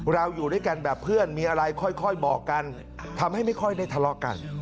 อยู่ด้วยกันแบบเพื่อนมีอะไรค่อยบอกกันทำให้ไม่ค่อยได้ทะเลาะกัน